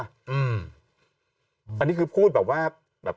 อันนี้คือพูดแบบว่าแบบ